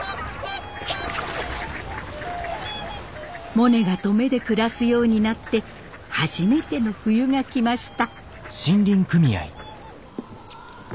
モネが登米で暮らすようになって初めての冬が来ました。